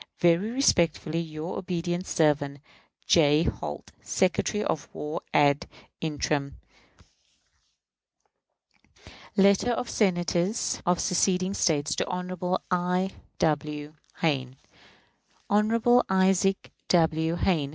Very respectfully, your obedient servant, J. HOLT, Secretary of War ad interim. Letter of Senators of seceding States to Hon. I. W. Hayne. Hon. Isaac W. Hayne.